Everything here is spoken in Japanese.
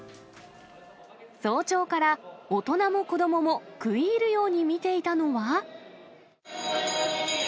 早朝から大人も子どもも食い入るように見ていたのは。